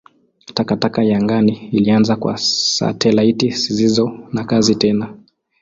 Takataka ya angani ilianza kwa satelaiti zisizo na kazi tena.